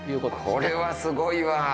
これはすごいわ。